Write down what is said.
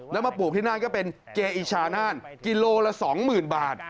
แล้วมาปลูกที่น่านก็เป็นเกอิชาน่านกิโลละ๒๐๐๐บาท